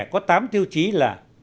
có tám tiêu chí là